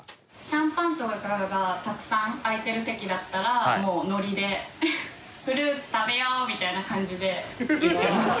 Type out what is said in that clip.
シャンパンとかがたくさん空いてる席だったらもうノリで「フルーツ食べよう」みたいな感じで言ってます。